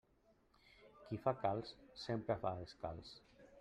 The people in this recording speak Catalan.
Qui fa calç sempre va descalç.